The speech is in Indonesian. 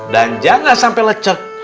dan jangan sampai lecek